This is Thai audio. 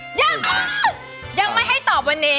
ยังยังไม่ให้ตอบวันนี้